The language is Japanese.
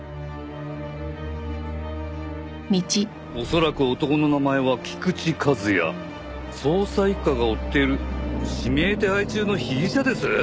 「恐らく男の名前は菊池和哉」「捜査一課が追っている指名手配中の被疑者です」！？